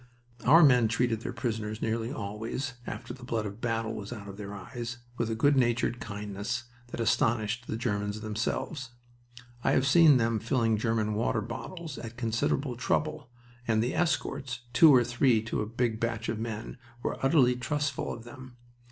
Our men treated their prisoners, nearly always, after the blood of battle was out of their eyes, with a good natured kindness that astonished the Germans themselves. I have seen them filling German water bottles at considerable trouble, and the escorts, two or three to a big batch of men, were utterly trustful of them.